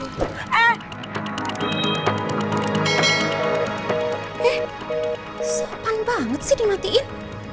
eh sopan banget sih dimatiin